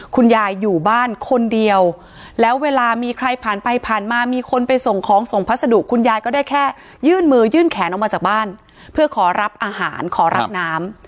คุณยายอยู่บ้านคนเดียวแล้วเวลามีใครผ่านไปผ่านมามีคนไปส่งของส่งพัสดุคุณยายก็ได้แค่ยื่นมือยื่นแขนออกมาจากบ้านเพื่อขอรับอาหารขอรับน้ำ